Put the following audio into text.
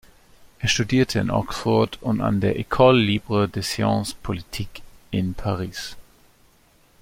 Er studierte in Oxford und an der "École libre des sciences politiques" in Paris.